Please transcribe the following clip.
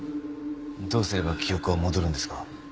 どうすれば記憶は戻るんですか？